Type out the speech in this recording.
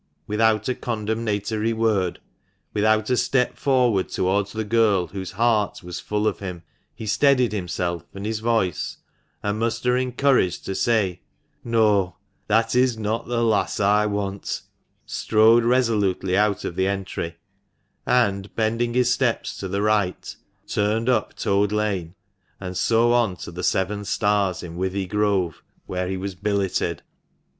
Without a condemnatory word, without a step forward towards the girl whose heart was full of him, he steadied himself and his voice, and mustering courage to say, " No, that is not the lass I want," strode resolutely out of the entry ; and, bending his steps to the right, turned up Toad Lane, and so on to the " Seven Stars," in Withy Grove, where he was billeted.